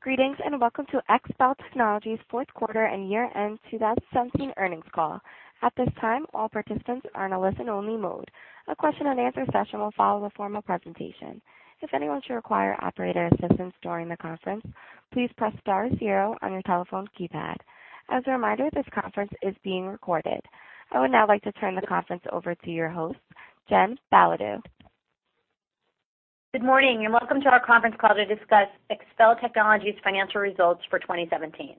Greetings, and welcome to XPEL Technologies Fourth Quarter and Year-end 2017 Earnings Call. At this time, all participants are in a listen-only mode. A question and answer session will follow the formal presentation. If anyone should require operator assistance during the conference, please press star zero on your telephone keypad. As a reminder, this conference is being recorded. I would now like to turn the conference over to your host, Jen Belodeau. Good morning. Welcome to our conference call to discuss XPEL Technologies financial results for 2017.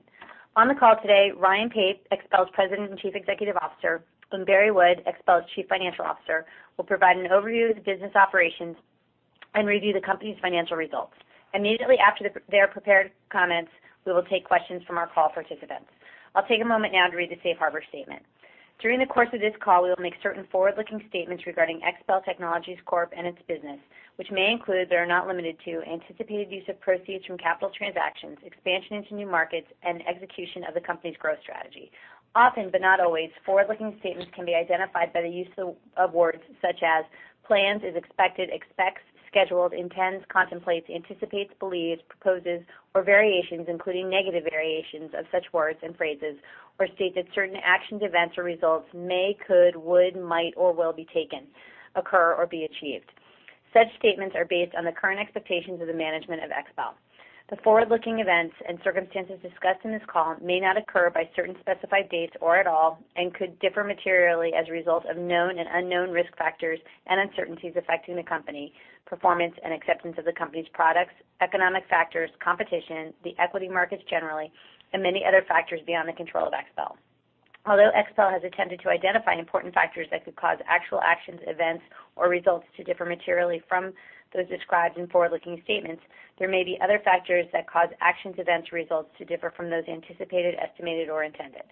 On the call today, Ryan Pape, XPEL's President and Chief Executive Officer, Barry Wood, XPEL's Chief Financial Officer, will provide an overview of the business operations and review the company's financial results. Immediately after their prepared comments, we will take questions from our call participants. I'll take a moment now to read the safe harbor statement. During the course of this call, we will make certain forward-looking statements regarding XPEL Technologies Corp and its business, which may include, though are not limited to, anticipated use of proceeds from capital transactions, expansion into new markets, and execution of the company's growth strategy. Often, but not always, forward-looking statements can be identified by the use of words such as plans, is expected, expects, scheduled, intends, contemplates, anticipates, believes, proposes, or variations, including negative variations of such words and phrases, or state that certain actions, events, or results may, could, would, might, or will be taken, occur, or be achieved. Such statements are based on the current expectations of the management of XPEL. The forward-looking events and circumstances discussed in this call may not occur by certain specified dates or at all and could differ materially as a result of known and unknown risk factors and uncertainties affecting the company, performance and acceptance of the company's products, economic factors, competition, the equity markets generally, and many other factors beyond the control of XPEL. Although XPEL has attempted to identify important factors that could cause actual actions, events, or results to differ materially from those described in forward-looking statements, there may be other factors that cause actions, events, results to differ from those anticipated, estimated, or intended.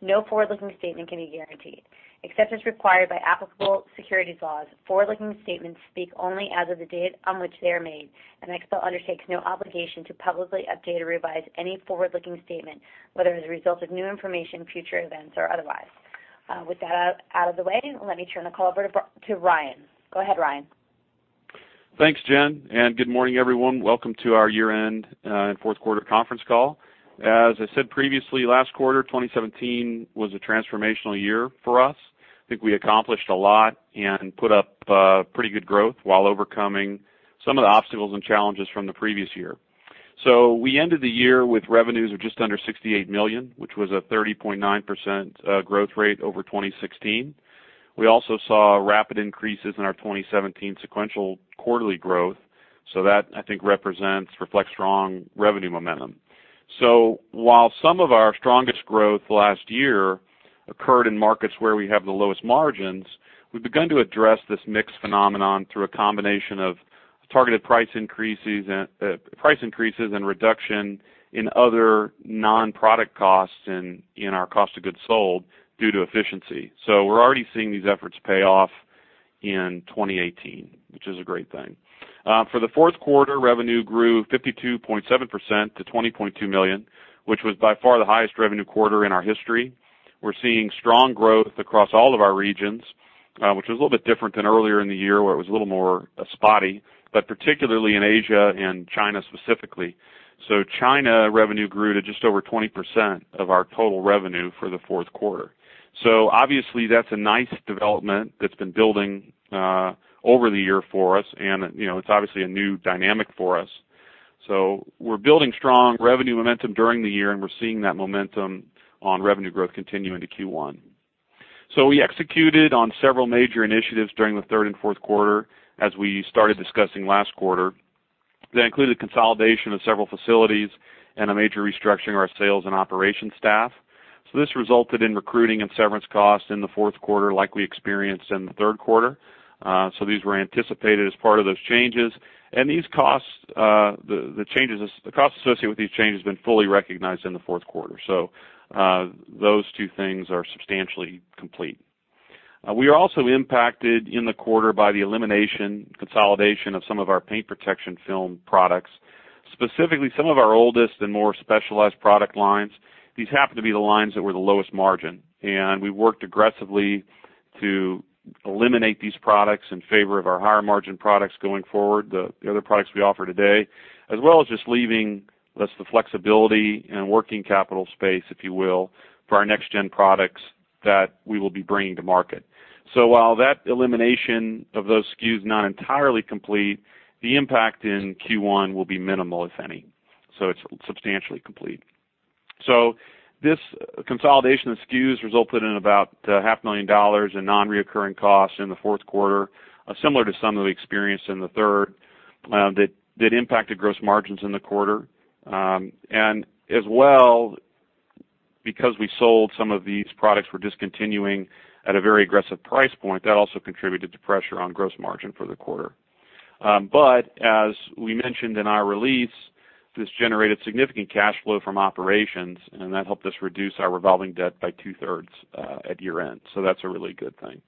No forward-looking statement can be guaranteed. Except as required by applicable securities laws, forward-looking statements speak only as of the date on which they are made, and XPEL undertakes no obligation to publicly update or revise any forward-looking statement, whether as a result of new information, future events, or otherwise. With that out of the way, let me turn the call over to Ryan. Go ahead, Ryan. Thanks, Jen, and good morning, everyone. Welcome to our year-end, fourth quarter conference call. I said previously, last quarter, 2017 was a transformational year for us. I think we accomplished a lot and put up pretty good growth while overcoming some of the obstacles and challenges from the previous year. We ended the year with revenues of just under $68 million, which was a 30.9% growth rate over 2016. We also saw rapid increases in our 2017 sequential quarterly growth, I think, represents, reflects strong revenue momentum. While some of our strongest growth last year occurred in markets where we have the lowest margins, we've begun to address this mixed phenomenon through a combination of targeted price increases and price increases and reduction in other non-product costs in our cost of goods sold due to efficiency. We're already seeing these efforts pay off in 2018, which is a great thing. For the fourth quarter, revenue grew 52.7% to $20.2 million, which was by far the highest revenue quarter in our history. We're seeing strong growth across all of our regions, which was a little bit different than earlier in the year, where it was a little more spotty, but particularly in Asia and China specifically. China revenue grew to just over 20% of our total revenue for the fourth quarter. Obviously that's a nice development that's been building over the year for us and, you know, it's obviously a new dynamic for us. We're building strong revenue momentum during the year, and we're seeing that momentum on revenue growth continue into Q1. We executed on several major initiatives during the third and fourth quarter as we started discussing last quarter. That included consolidation of several facilities and a major restructuring of our sales and operations staff. This resulted in recruiting and severance costs in the fourth quarter like we experienced in the third quarter. These were anticipated as part of those changes. These costs, the costs associated with these changes have been fully recognized in the fourth quarter. Those two things are substantially complete. We are also impacted in the quarter by the elimination, consolidation of some of our paint protection film products, specifically some of our oldest and more specialized product lines. These happen to be the lines that were the lowest margin, and we worked aggressively to eliminate these products in favor of our higher margin products going forward, the other products we offer today, as well as just leaving us the flexibility and working capital space, if you will, for our next gen products that we will be bringing to market. While that elimination of those SKUs is not entirely complete, the impact in Q1 will be minimal, if any. It's substantially complete. This consolidation of SKUs resulted in about half a million dollars in non-recurring costs in the fourth quarter, similar to some that we experienced in the third, that impacted gross margins in the quarter. As well, because we sold some of these products we're discontinuing at a very aggressive price point, that also contributed to pressure on gross margin for the quarter. As we mentioned in our release, this generated significant cash flow from operations, and that helped us reduce our revolving debt by 2/3 at year-end. That's a really good thing.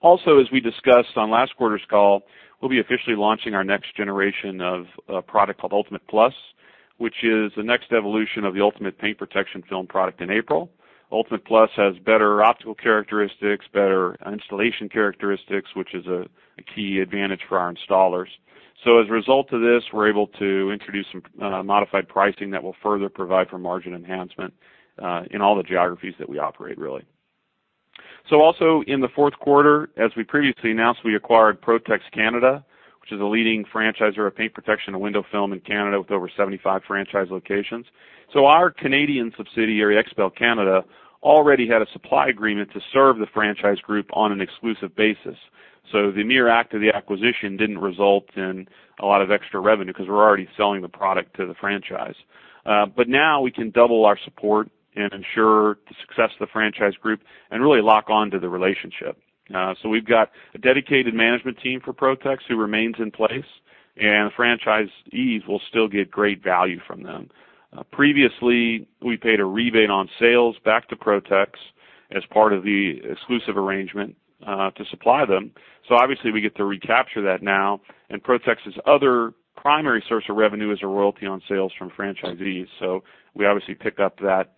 Also, as we discussed on last quarter's call, we'll be officially launching our next generation of a product called ULTIMATE PLUS, which is the next evolution of the ULTIMATE Paint Protection Film product in April. ULTIMATE PLUS has better optical characteristics, better installation characteristics, which is a key advantage for our installers. As a result of this, we're able to introduce some modified pricing that will further provide for margin enhancement in all the geographies that we operate really. Also in the fourth quarter, as we previously announced, we acquired Protex Canada, which is a leading franchisor of paint protection and window film in Canada with over 75 franchise locations. Our Canadian subsidiary, XPEL Canada, already had a supply agreement to serve the franchise group on an exclusive basis. The mere act of the acquisition didn't result in a lot of extra revenue because we're already selling the product to the franchise. Now we can double our support and ensure the success of the franchise group and really lock onto the relationship. We've got a dedicated management team for Protex who remains in place, and franchisees will still get great value from them. Previously, we paid a rebate on sales back to Protex as part of the exclusive arrangement to supply them. Obviously, we get to recapture that now, and Protex's other primary source of revenue is a royalty on sales from franchisees. We obviously pick up that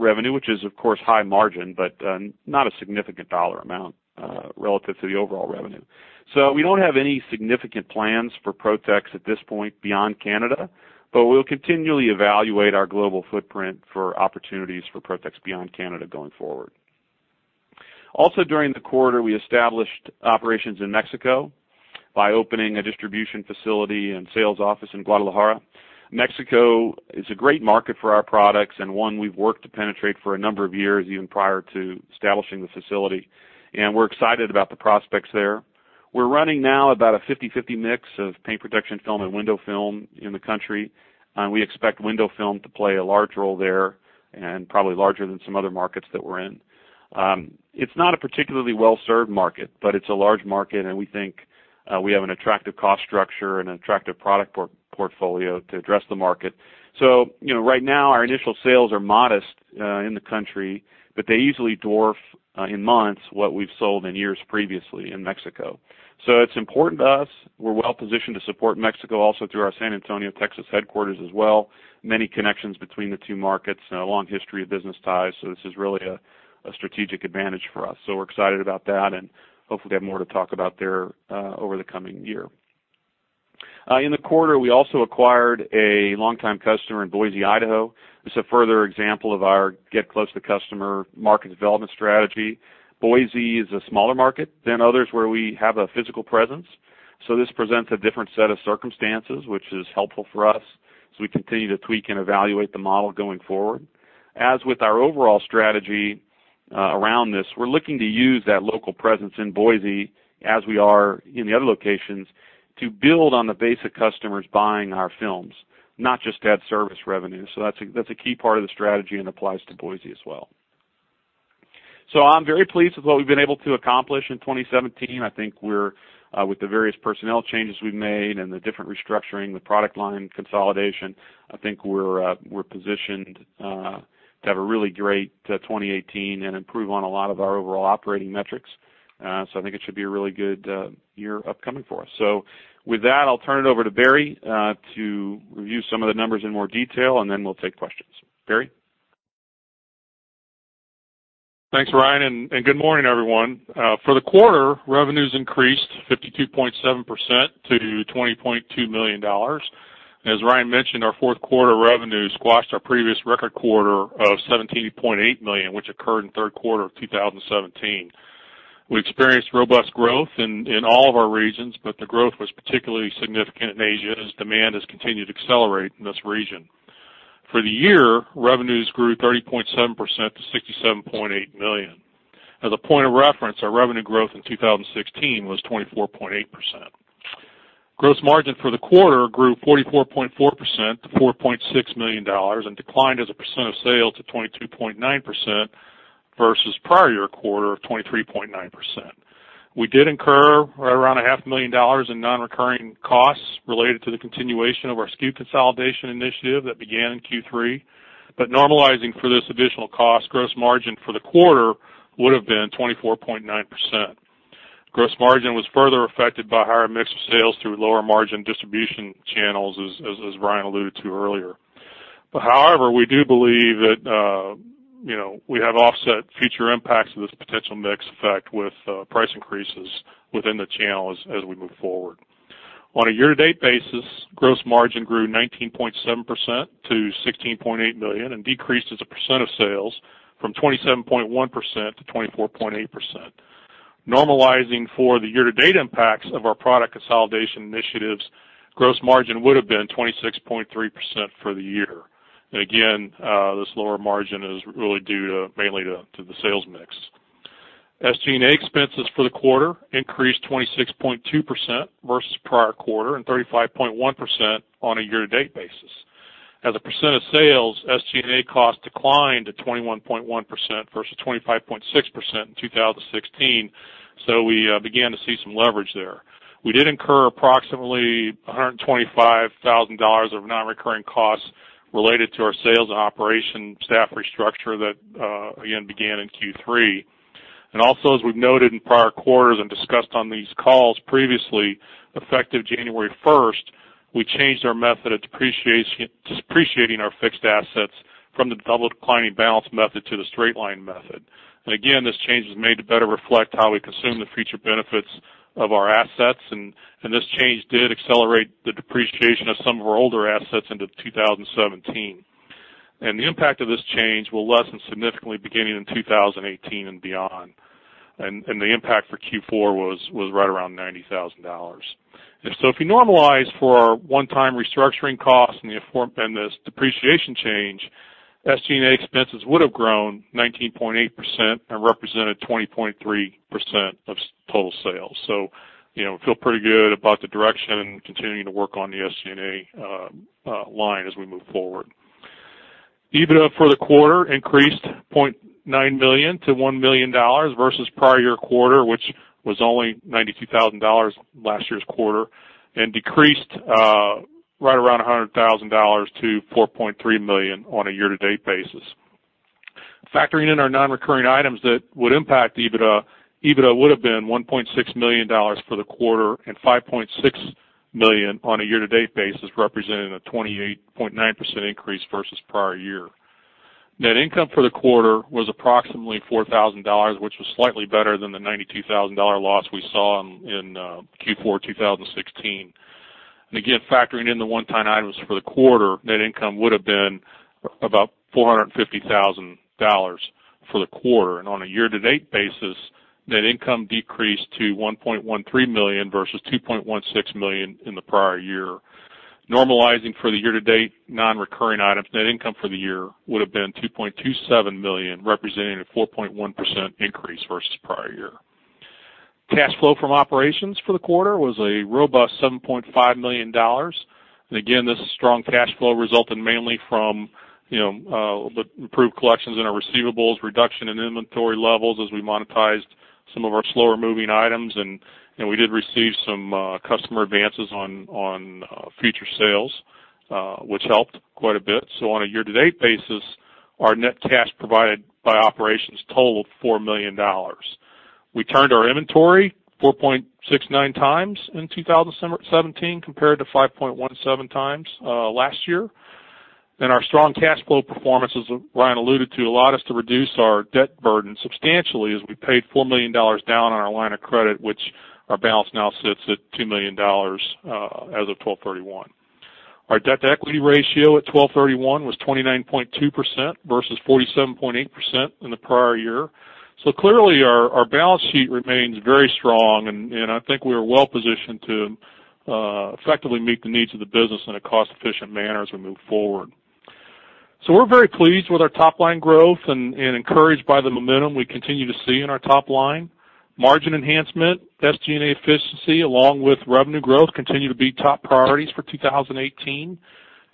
revenue, which is of course, high margin, but not a significant dollar amount relative to the overall revenue. We don't have any significant plans for Protex at this point beyond Canada, but we'll continually evaluate our global footprint for opportunities for Protex beyond Canada going forward. During the quarter, we established operations in Mexico by opening a distribution facility and sales office in Guadalajara. Mexico is a great market for our products and one we've worked to penetrate for a number of years, even prior to establishing the facility, and we're excited about the prospects there. We're running now about a 50/50 mix of paint protection film and window film in the country. We expect window film to play a large role there and probably larger than some other markets that we're in. It's not a particularly well-served market, but it's a large market, and we think we have an attractive cost structure and an attractive product portfolio to address the market. You know, right now, our initial sales are modest in the country, but they easily dwarf in months what we've sold in years previously in Mexico. It's important to us. We're well-positioned to support Mexico also through our San Antonio, Texas headquarters as well. Many connections between the two markets and a long history of business ties, so this is really a strategic advantage for us. We're excited about that and hopefully have more to talk about there over the coming year. In the quarter, we also acquired a longtime customer in Boise, Idaho. This is a further example of our get close to customer market development strategy. Boise is a smaller market than others where we have a physical presence. This presents a different set of circumstances which is helpful for us as we continue to tweak and evaluate the model going forward. As with our overall strategy around this, we're looking to use that local presence in Boise as we are in the other locations to build on the base of customers buying our films, not just to add service revenue. That's a key part of the strategy and applies to Boise as well. I'm very pleased with what we've been able to accomplish in 2017. I think we're, with the various personnel changes we've made and the different restructuring, the product line consolidation, I think we're positioned to have a really great 2018 and improve on a lot of our overall operating metrics. I think it should be a really good year upcoming for us. With that, I'll turn it over to Barry to review some of the numbers in more detail, and then we'll take questions. Barry? Thanks, Ryan, good morning, everyone. For the quarter, revenues increased 52.7% to $20.2 million. As Ryan mentioned, our fourth quarter revenue squashed our previous record quarter of $17.8 million, which occurred in third quarter of 2017. We experienced robust growth in all of our regions, the growth was particularly significant in Asia as demand has continued to accelerate in this region. For the year, revenues grew 30.7% to $67.8 million. As a point of reference, our revenue growth in 2016 was 24.8%. Gross margin for the quarter grew 44.4% to $4.6 million and declined as a percent of sales to 22.9% versus prior year quarter of 23.9%. We did incur right around a half a million dollars in non-recurring costs related to the continuation of our SKU consolidation initiative that began in Q3. Normalizing for this additional cost, gross margin for the quarter would have been 24.9%. Gross margin was further affected by higher mix of sales through lower margin distribution channels as Ryan alluded to earlier. However, we do believe that, you know, we have offset future impacts of this potential mix effect with price increases within the channels as we move forward. On a year-to-date basis, gross margin grew 19.7% to $16.8 million and decreased as a percent of sales from 27.1% to 24.8%. Normalizing for the year-to-date impacts of our product consolidation initiatives, gross margin would have been 26.3% for the year. Again, this lower margin is really due to mainly to the sales mix. SG&A expenses for the quarter increased 26.2% versus prior quarter and 35.1% on a year-to-date basis. As a percent of sales, SG&A costs declined to 21.1% versus 25.6% in 2016, we began to see some leverage there. We did incur approximately $125,000 of non-recurring costs related to our sales and operation staff restructure that again began in Q3. Also, as we've noted in prior quarters and discussed on these calls previously, effective January first, we changed our method of depreciating our fixed assets from the double declining balance method to the straight line method. Again, this change was made to better reflect how we consume the future benefits of our assets, and this change did accelerate the depreciation of some of our older assets into 2017. The impact of this change will lessen significantly beginning in 2018 and beyond. The impact for Q4 was right around $90,000. If you normalize for our one-time restructuring costs and the aforementioned depreciation change, SG&A expenses would have grown 19.8% and represented 20.3% of total sales. You know, we feel pretty good about the direction and continuing to work on the SG&A line as we move forward. EBITDA for the quarter increased $0.9 million to $1 million versus prior year quarter, which was only $92,000 last year's quarter, and decreased right around $100,000 to $4.3 million on a year-to-date basis. Factoring in our non-recurring items that would impact EBITDA would have been $1.6 million for the quarter and $5.6 million on a year-to-date basis, representing a 28.9% increase versus prior year. Net income for the quarter was approximately $4,000, which was slightly better than the $92,000 loss we saw in Q4 2016. Again, factoring in the one-time items for the quarter, net income would have been about $450,000 for the quarter. On a year-to-date basis, net income decreased to $1.13 million versus $2.16 million in the prior year. Normalizing for the year-to-date non-recurring items, net income for the year would have been $2.27 million, representing a 4.1% increase versus prior year. Cash flow from operations for the quarter was a robust $7.5 million. Again, this strong cash flow resulted mainly from, you know, the improved collections in our receivables, reduction in inventory levels as we monetized some of our slower moving items. You know, we did receive some customer advances on future sales, which helped quite a bit. On a year-to-date basis, our net cash provided by operations totaled $4 million. We turned our inventory 4.69x in 2017 compared to 5.17x last year. Our strong cash flow performance, as Ryan alluded to, allowed us to reduce our debt burden substantially as we paid $4 million down on our line of credit, which our balance now sits at $2 million as of 12/31. Our debt-to-equity ratio at 12/31 was 29.2% versus 47.8% in the prior year. Clearly our balance sheet remains very strong and I think we are well-positioned to effectively meet the needs of the business in a cost-efficient manner as we move forward. We're very pleased with our top-line growth and encouraged by the momentum we continue to see in our top line. Margin enhancement, SG&A efficiency, along with revenue growth, continue to be top priorities for 2018.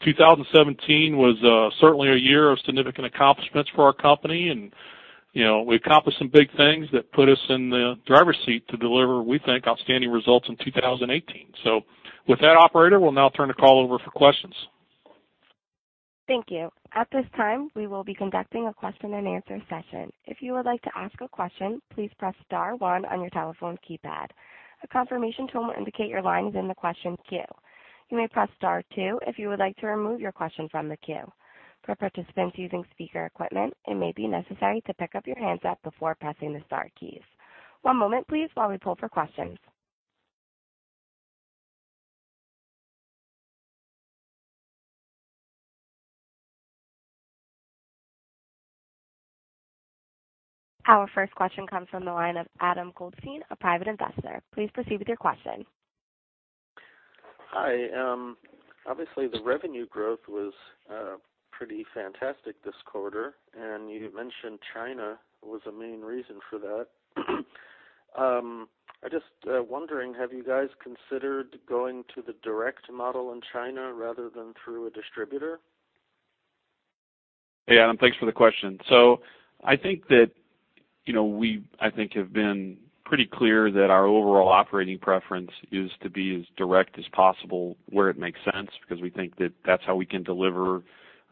2017 was certainly a year of significant accomplishments for our company and, you know, we accomplished some big things that put us in the driver's seat to deliver, we think, outstanding results in 2018. With that, operator, we'll now turn the call over for questions. Thank you. At this time, we will be conducting a question-and-answer session. If you would like to ask a question, please press star one on your telephone keypad. A confirmation tone will indicate your line is in the question queue. You may press star two if you would like to remove your question from the queue. For participants using speaker equipment, it may be necessary to pick up your handset before pressing the star keys. One moment please, while we poll for questions. Our first question comes from the line of Adam Goldstein, a Private Investor. Please proceed with your question. Hi. Obviously, the revenue growth was pretty fantastic this quarter, and you mentioned China was a main reason for that. I just wondering, have you guys considered going to the direct model in China rather than through a distributor? Hey, Adam. Thanks for the question. I think that, you know, we have been pretty clear that our overall operating preference is to be as direct as possible where it makes sense, because we think that that's how we can deliver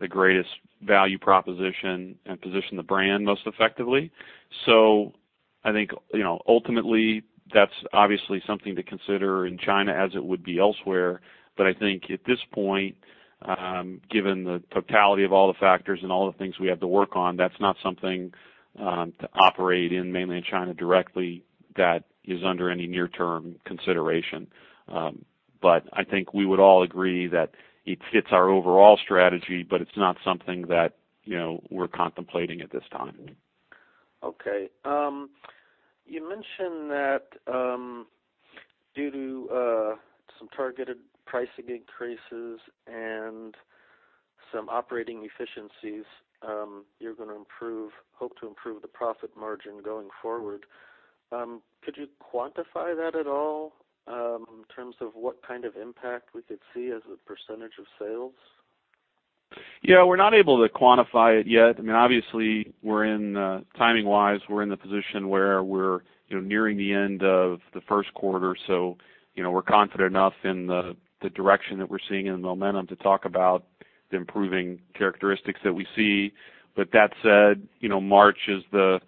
the greatest value proposition and position the brand most effectively. I think, you know, ultimately, that's obviously something to consider in China as it would be elsewhere. I think at this point, given the totality of all the factors and all the things we have to work on, that's not something to operate in Mainland China directly that is under any near-term consideration. I think we would all agree that it fits our overall strategy, but it's not something that, you know, we're contemplating at this time. Okay. You mentioned that, due to some targeted pricing increases and some operating efficiencies, hope to improve the profit margin going forward. Could you quantify that at all, in terms of what kind of impact we could see as a percentage of sales? Yeah, we're not able to quantify it yet. I mean, obviously, we're in timing-wise, we're in the position where we're, you know, nearing the end of the first quarter. You know, we're confident enough in the direction that we're seeing and the momentum to talk about the improving characteristics that we see. That said, you know, March is the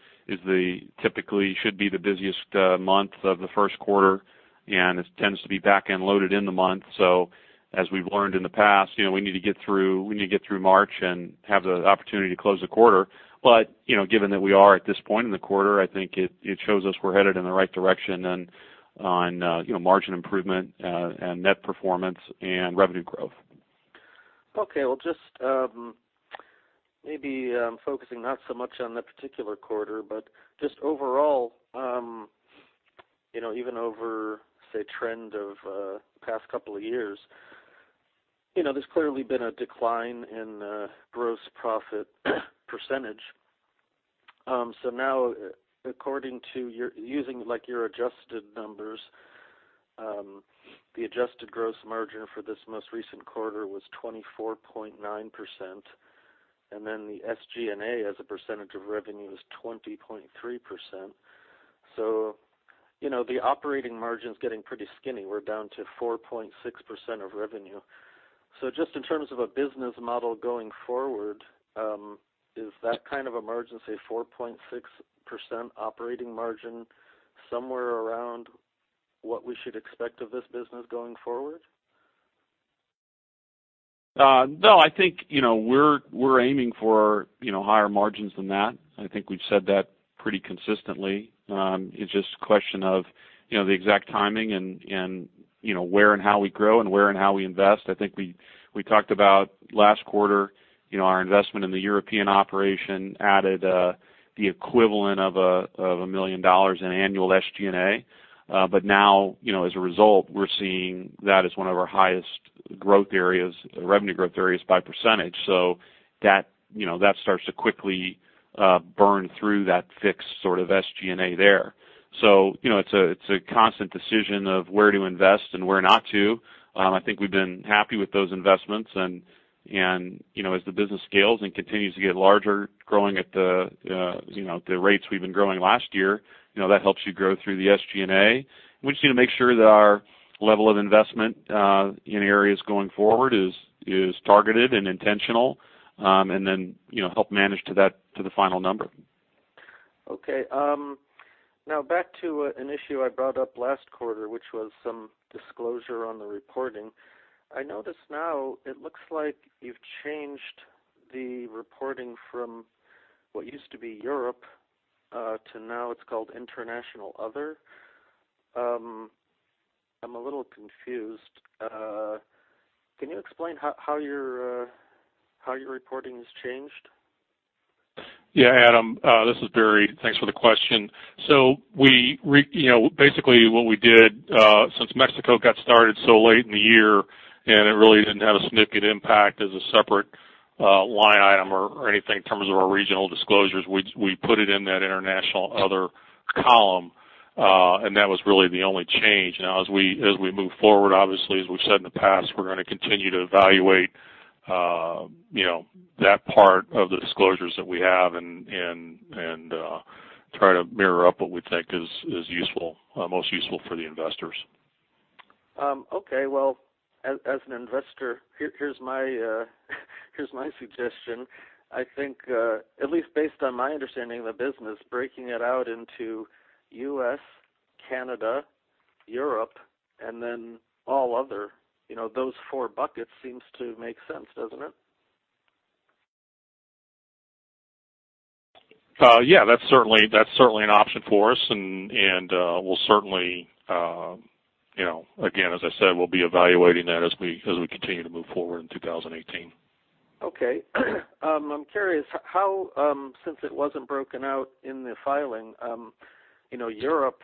typically should be the busiest month of the first quarter, and it tends to be back-end loaded in the month. As we've learned in the past, you know, we need to get through March and have the opportunity to close the quarter. You know, given that we are at this point in the quarter, I think it shows us we're headed in the right direction and on, you know, margin improvement, and net performance and revenue growth. Okay. Well, just maybe focusing not so much on that particular quarter, but just overall, you know, even over, say, trend of past couple of years, you know, there's clearly been a decline in gross profit percentage. Now according to your using, like, your adjusted numbers, the adjusted gross margin for this most recent quarter was 24.9%, the SG&A as a percentage of revenue was 20.3%. You know, the operating margin's getting pretty skinny. We're down to 4.6% of revenue. Just in terms of a business model going forward, is that kind of a margin, say, 4.6% operating margin somewhere around what we should expect of this business going forward? No, I think, you know, we're aiming for, you know, higher margins than that. I think we've said that pretty consistently. It's just a question of, you know, the exact timing and, you know, where and how we grow and where and how we invest. I think we talked about last quarter, you know, our investment in the European operation added the equivalent of a $1 million in annual SG&A. Now, you know, as a result, we're seeing that as one of our highest growth areas, revenue growth areas by percentage. That, you know, that starts to quickly burn through that fixed sort of SG&A there. You know, it's a constant decision of where to invest and where not to. I think we've been happy with those investments and, you know, as the business scales and continues to get larger, growing at the, you know, the rates we've been growing last year, you know, that helps you grow through the SG&A. We just need to make sure that our level of investment in areas going forward is targeted and intentional, and then, you know, help manage to that, to the final number. Now back to an issue I brought up last quarter, which was some disclosure on the reporting. I notice now it looks like you've changed the reporting from what used to be Europe to now it's called International Other. I'm a little confused. Can you explain how your reporting has changed? Yeah, Adam, this is Barry. Thanks for the question. You know, basically what we did, since Mexico got started so late in the year, and it really didn't have a significant impact as a separate, line item or anything in terms of our regional disclosures. We put it in that International Other column, and that was really the only change. As we move forward, obviously, as we've said in the past, we're gonna continue to evaluate, you know, that part of the disclosures that we have and try to mirror up what we think is useful, most useful for the investors. Okay. Well, as an investor, here's my suggestion. I think, at least based on my understanding of the business, breaking it out into U.S., Canada, Europe, and then all other, you know, those four buckets seems to make sense, doesn't it? Yeah, that's certainly an option for us. We'll certainly, you know, again, as I said, we'll be evaluating that as we continue to move forward in 2018. Okay. I'm curious how, since it wasn't broken out in the filing, you know, Europe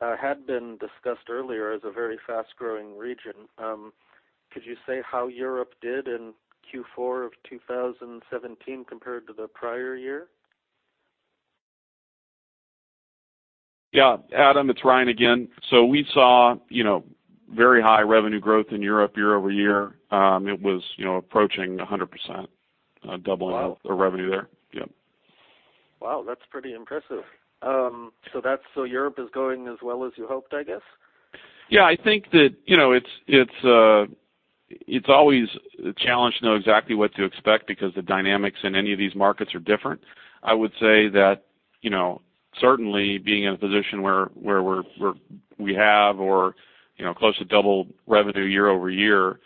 had been discussed earlier as a very fast-growing region. Could you say how Europe did in Q4 of 2017 compared to the prior year? Yeah. Adam, it's Ryan again. We saw, you know, very high revenue growth in Europe year-over-year. It was, you know, approaching 100%. Wow. Our revenue there. Yeah. Wow, that's pretty impressive. Europe is going as well as you hoped, I guess? I think that, you know, it's always a challenge to know exactly what to expect because the dynamics in any of these markets are different. I would say that, you know, certainly being in a position where we're we have or, you know, close to double revenue year-over-year,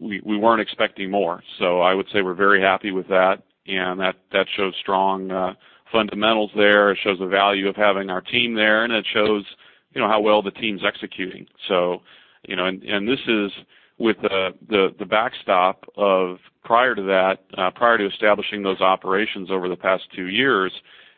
we weren't expecting more. I would say we're very happy with that, and that shows strong fundamentals there. It shows the value of having our team there, and it shows, you know, how well the team's executing. You know, and this is with the backstop of prior to that, prior to establishing those operations over the past two years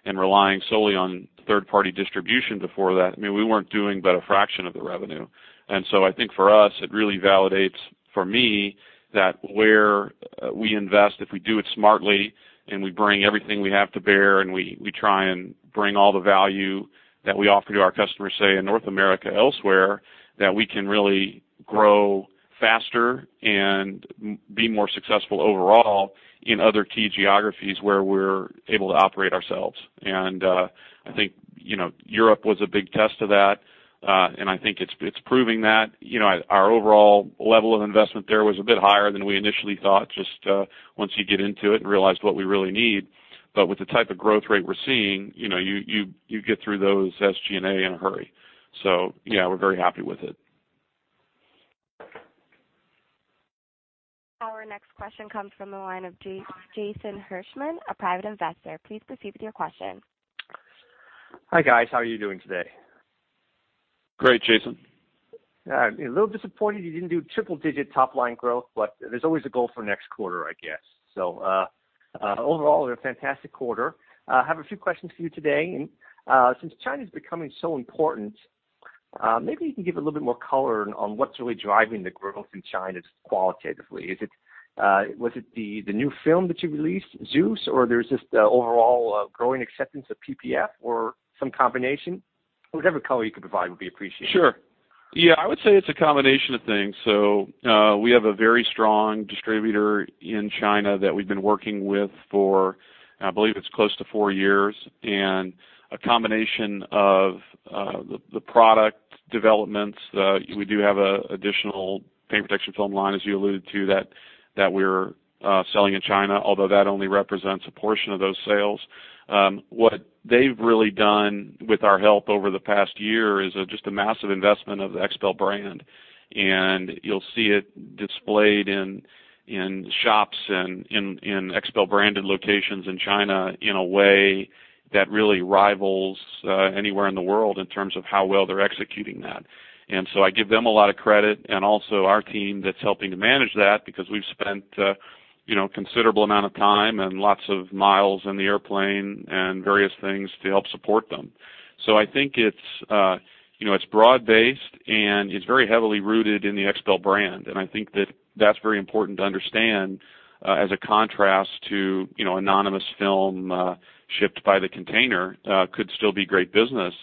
and relying solely on third-party distribution before that. I mean, we weren't doing but a fraction of the revenue. I think for us, it really validates for me that where we invest, if we do it smartly and we bring everything we have to bear, and we try and bring all the value that we offer to our customers, say, in North America, elsewhere, that we can really grow faster and be more successful overall in other key geographies where we're able to operate ourselves. I think, you know, Europe was a big test of that. I think it's proving that our overall level of investment there was a bit higher than we initially thought, just once you get into it and realize what we really need. With the type of growth rate we're seeing, you get through those SG&A in a hurry. Yeah, we're very happy with it. Our next question comes from the line of Jason Hirschman, a private investor. Please proceed with your question. Hi, guys. How are you doing today? Great, Jason. A little disappointed you didn't do triple-digit top line growth, but there's always a goal for next quarter, I guess. Overall, a fantastic quarter. Have a few questions for you today. Since China's becoming so important, maybe you can give a little bit more color on what's really driving the growth in China qualitatively. Is it, was it the new film that you released, Zeus, or there's just overall growing acceptance of PPF or some combination? Whatever color you can provide would be appreciated. Sure. Yeah, I would say it's a combination of things. We have a very strong distributor in China that we've been working with for, I believe it's close to four years, and a combination of the product developments. We do have a additional paint protection film line, as you alluded to, that we're selling in China, although that only represents a portion of those sales. What they've really done with our help over the past year is just a massive investment of the XPEL brand. You'll see it displayed in shops and in XPEL branded locations in China in a way that really rivals anywhere in the world in terms of how well they're executing that. I give them a lot of credit and also our team that's helping to manage that because we've spent, you know, considerable amount of time and lots of miles in the airplane and various things to help support them. I think it's, you know, it's broad based, and it's very heavily rooted in the XPEL brand. I think that that's very important to understand, as a contrast to, you know, anonymous film, shipped by the container, could still be great business,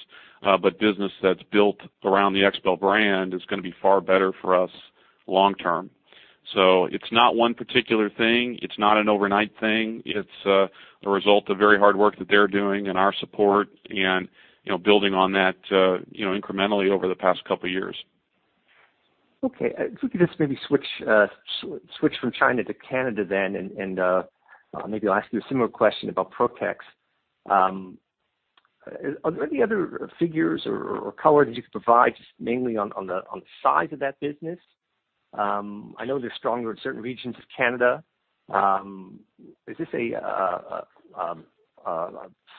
but business that's built around the XPEL brand is gonna be far better for us long term. It's not one particular thing. It's not an overnight thing. It's a result of very hard work that they're doing and our support and, you know, building on that, you know, incrementally over the past couple of years. Okay. If we could just maybe switch from China to Canada then, maybe I'll ask you a similar question about Protex. Are there any other figures or color you could provide just mainly on the size of that business? I know they're stronger in certain regions of Canada. Is this a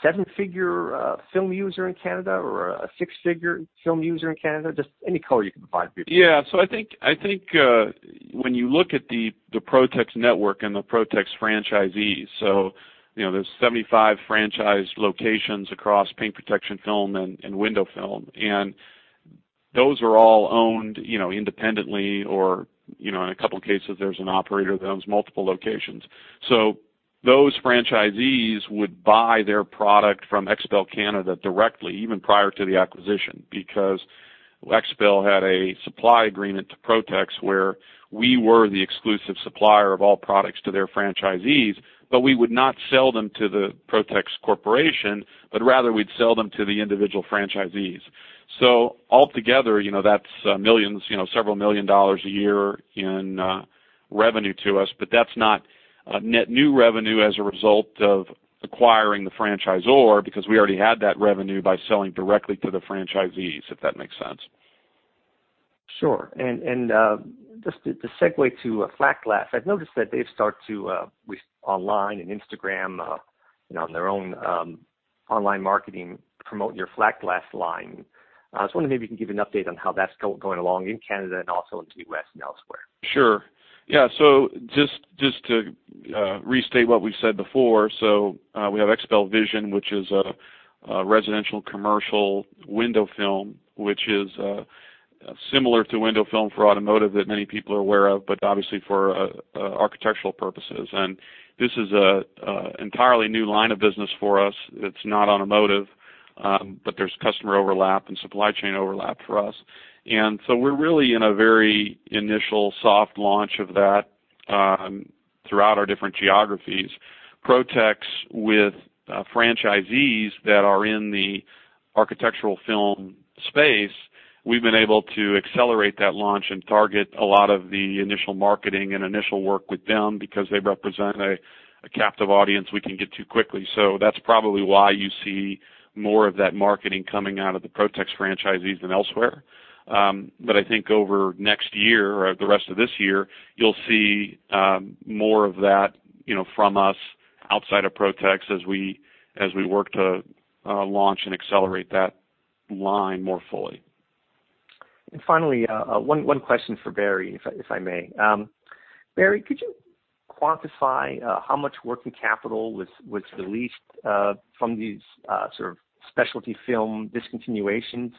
seven-figure film user in Canada or a six-figure film user in Canada? Just any color you can provide would be appreciated. Yeah. I think, I think, when you look at the Protex network and the Protex franchisees, you know, there's 75 franchise locations across paint protection film and window film. Those are all owned, you know, independently or, you know, in a couple of cases, there's an operator that owns multiple locations. Those franchisees would buy their product from XPEL Canada directly, even prior to the acquisition, because XPEL had a supply agreement to Protex where we were the exclusive supplier of all products to their franchisees, but we would not sell them to the Protex Corporation, but rather we'd sell them to the individual franchisees. Altogether, you know, that's millions, you know, several million dollars a year in revenue to us. That's not a net new revenue as a result of acquiring the franchisor because we already had that revenue by selling directly to the franchisees, if that makes sense. Sure. Just to segue to Flat Glass, I've noticed that they've started to, with online and Instagram, you know, on their own, online marketing promote your Flat Glass line. I was wondering maybe you can give an update on how that's going along in Canada and also into U.S. and elsewhere. Sure. Yeah. Just to restate what we've said before. We have XPEL VISION, which is a residential commercial window film, which is similar to window film for automotive that many people are aware of, but obviously for architectural purposes. This is a entirely new line of business for us. it's not automotive, but there's customer overlap and supply chain overlap for us. We're really in a very initial soft launch of that throughout our different geographies. Protex with franchisees that are in the architectural film space, we've been able to accelerate that launch and target a lot of the initial marketing and initial work with them because they represent a captive audience we can get to quickly. That's probably why you see more of that marketing coming out of the Protex franchisees than elsewhere. I think over next year or the rest of this year, you'll see more of that, you know, from us outside of Protex as we work to launch and accelerate that line more fully. Finally, one question for Barry, if I may. Barry, could you quantify how much working capital was released from these sort of specialty film discontinuations?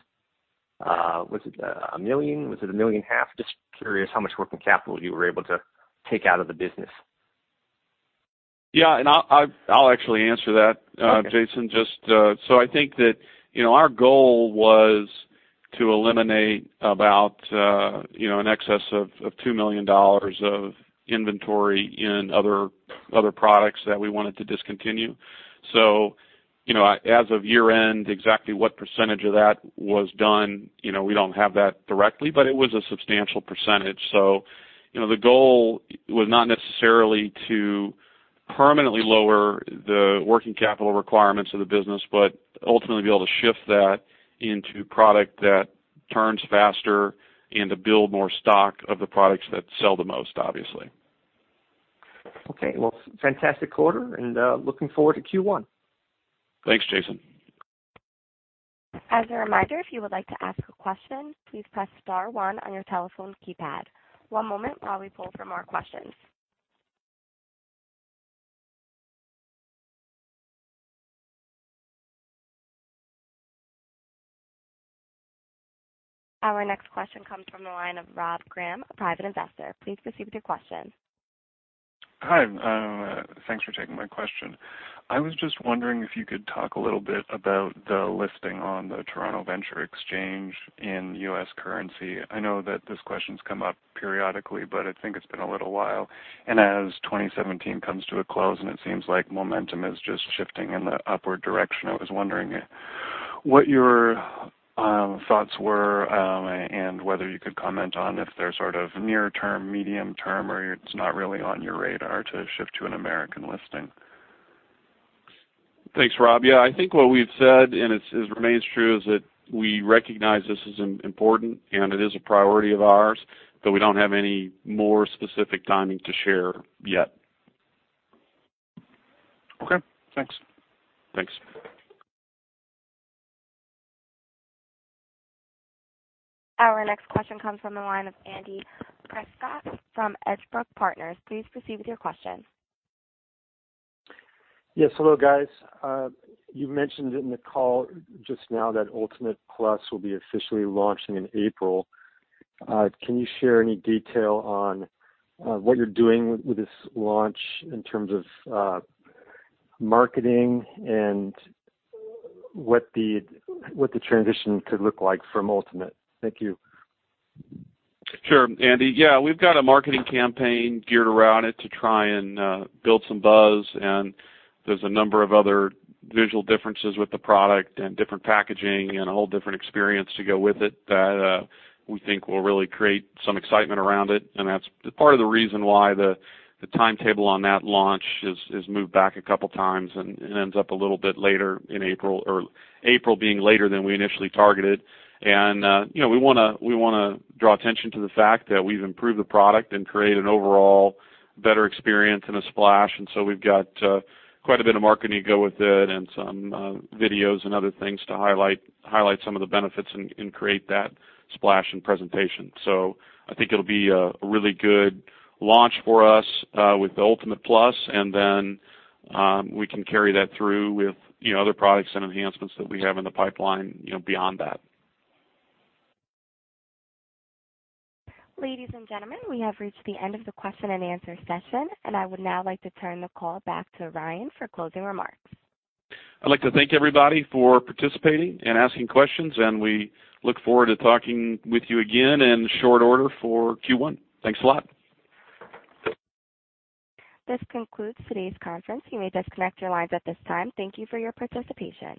Was it a million? Was it $1.5 million? Just curious how much working capital you were able to take out of the business. Yeah, I'll actually answer that. Okay. Jason, just, I think that, you know, our goal was to eliminate about, you know, in excess of $2 million of inventory in other products that we wanted to discontinue. You know, as of year-end, exactly what percentage of that was done, you know, we don't have that directly, but it was a substantial percentage. You know, the goal was not necessarily to permanently lower the working capital requirements of the business, but ultimately be able to shift that into product that turns faster and to build more stock of the products that sell the most, obviously. Okay. Well, fantastic quarter and, looking forward to Q1. Thanks, Jason. As a reminder, if you would like to ask a question, please press star one on your telephone keypad. One moment while we pull for more questions. Our next question comes from the line of Rob Graham, a private investor. Please proceed with your question. Hi, thanks for taking my question. I was just wondering if you could talk a little bit about the listing on the TSX Venture Exchange in U.S. currency. I know that this question's come up periodically, but I think it's been a little while. As 2017 comes to a close, and it seems like momentum is just shifting in the upward direction, I was wondering what your thoughts were, and whether you could comment on if they're sort of near-term, medium-term, or it's not really on your radar to shift to an American listing. Thanks, Robby. Yeah. I think what we've said, and it remains true, is that we recognize this is important and it is a priority of ours, but we don't have any more specific timing to share yet. Okay. Thanks. Thanks. Our next question comes from the line of Andy Prescott from Edgebrook Partners. Please proceed with your question. Yes, hello, guys. You mentioned in the call just now that ULTIMATE PLUS will be officially launching in April. Can you share any detail on what you're doing with this launch in terms of marketing and what the, what the transition could look like from ULTIMATE? Thank you. Sure, Andy. We've got a marketing campaign geared around it to try to build some buzz. There's a number of other visual differences with the product and different packaging and a whole different experience to go with it that we think will really create some excitement around it. That's part of the reason why the timetable on that launch is moved back a couple times and ends up a little bit later in April or April being later than we initially targeted. You know, we wanna draw attention to the fact that we've improved the product and created an overall better experience and a splash. We've got quite a bit of marketing to go with it and some videos and other things to highlight some of the benefits and create that splash and presentation. I think it'll be a really good launch for us with the ULTIMATE PLUS, and then, we can carry that through with, you know, other products and enhancements that we have in the pipeline, you know, beyond that. Ladies and gentlemen, we have reached the end of the question and answer session, and I would now like to turn the call back to Ryan for closing remarks. I'd like to thank everybody for participating and asking questions. We look forward to talking with you again in short order for Q1. Thanks a lot. This concludes today's conference. You may disconnect your lines at this time. Thank you for your participation.